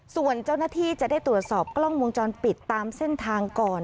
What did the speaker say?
ส่วนเจ้าหน้าที่จะได้ตรวจสอบกล้องวงจรปิดตามเส้นทางก่อน